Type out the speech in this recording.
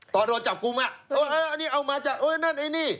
ตอนโดนจับกุมอ่ะเอออันนี้เอามาจากนั่นไอ้นี่